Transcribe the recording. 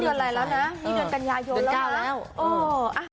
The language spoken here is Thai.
เดือนกันยายนแล้วนะ